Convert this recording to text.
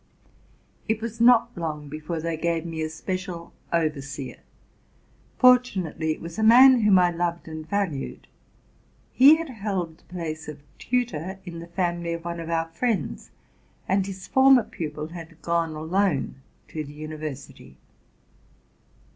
It was not long before they gave me a special overseer. Fortunately it was a man whom I loved and valued. He 'had held the place of tutor in the family of one of our friends, and his former pupil had gone alone to the univer sity.